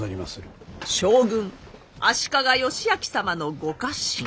将軍足利義昭様のご家臣。